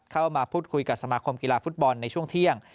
เข้ามาพูดคุยกับสมาคมกีฬาฟุตบอลในช่วงเที่ยง